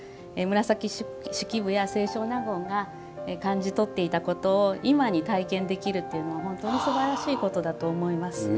紫式部や清少納言が感じ取っていたことを今に体験できるというのは本当にすばらしいことだと思います。